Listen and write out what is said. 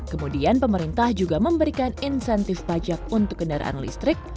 kemudian pemerintah juga memberikan insentif pajak untuk kendaraan listrik